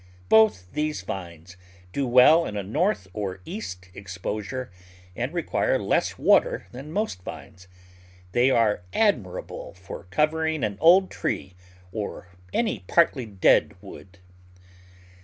Both these vines do well in a north or east exposure and require less water than most vines. They are admirable for covering an old tree or any partly dead wood.